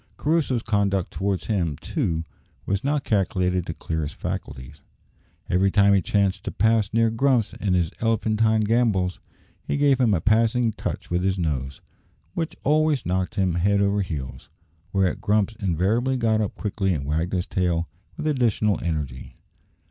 Crusoe's conduct towards him, too, was not calculated to clear his faculties. Every time he chanced to pass near Grumps in his elephantine gambols, he gave him a passing touch with his nose, which always knocked him head over heels; whereat Grumps invariably got up quickly and wagged his tail with additional energy.